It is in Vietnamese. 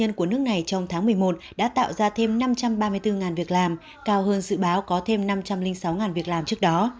doanh nhân của nước này trong tháng một mươi một đã tạo ra thêm năm trăm ba mươi bốn việc làm cao hơn dự báo có thêm năm trăm linh sáu việc làm trước đó